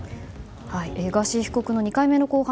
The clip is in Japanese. ガーシー被告の２回目の公判